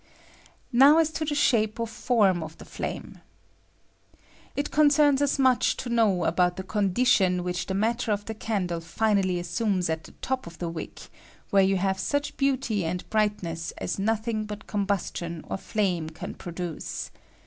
Now as to the shape or form of the flame. It concerns us much to know about the condi tion which the matter of the candle finally as sumes at the top of the wick, where you have such beauty and brightness as nothing but combustion or flame can produce.